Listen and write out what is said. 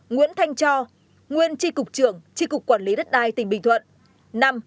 bốn nguyễn thanh cho nguyên tri cục trưởng tri cục quản lý đất đai tỉnh bình thuận